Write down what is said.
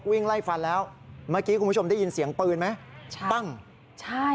วิ่งไล่ฟันแล้วเมื่อกี้คุณผู้ชมได้ยินเสียงปืนไหมใช่ปั้งใช่